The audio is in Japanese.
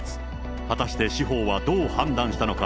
果たして司法はどう判断したのか。